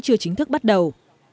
chưa chính thức bắt đầu